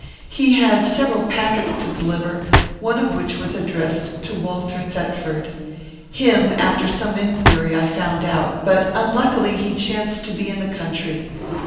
He had several packets to deliver, one of which was addressed to Walter Thetford. Him, after some inquiry, I found out, but unluckily he chanced to be in the country.